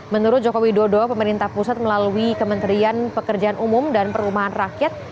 menurut joko widodo pemerintah pusat melalui kementerian pekerjaan umum dan perumahan rakyat